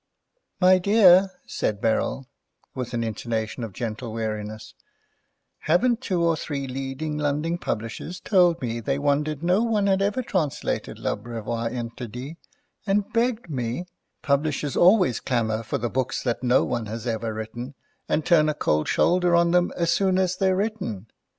"My dear," said Beryl, with an intonation of gentle weariness, "haven't two or three leading London publishers told me they wondered no one had ever translated L'Abreuvoir interdit, and begged me—" "Publishers always clamour for the books that no one has ever written, and turn a cold shoulder on them as soon as they're written.